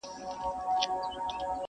زخیرې مي کړلې ډیري شین زمری پر جنګېدمه!